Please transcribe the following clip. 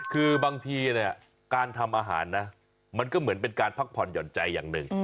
คือบางทีเนี่ยการทำอาหารนะมันก็เหมือนเป็นการพักผ่อนหย่อนใจอย่างหนึ่ง